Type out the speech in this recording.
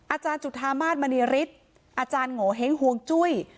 อาจารย์จุธามาศมณีฤทธิ์อาจารย์โงเห้งห่วงจุ้ย